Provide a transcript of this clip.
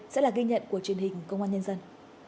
sẽ là ghi nhận của truyền hình công an nhân dân